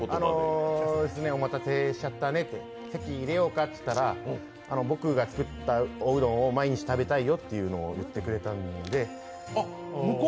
お待たせしちゃったね籍入れようかと言ったら僕が作ったおうどんを毎日食べたいよっていうのを言ってくれたんで。